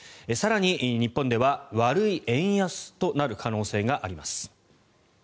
更に日本では悪い円安となる可能性があります。